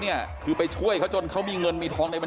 เดี๋ยวฟังพี่อุ๊บนะฮะ